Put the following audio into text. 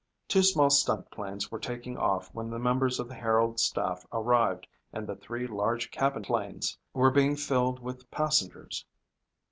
Two small stunt planes were taking off when the members of the Herald staff arrived and the three large cabin planes were being filled with passengers.